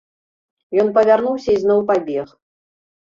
Ён павярнуўся і зноў пабег.